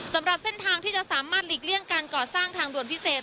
สำหรับเส้นทางที่จะสามารถหลีกเลี่ยงการก่อสร้างทางด่วนพิเศษ